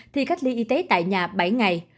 thì cách ly y tế tại nhà bảy ngày